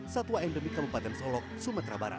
satwa endemik kabupaten solok sumatera barat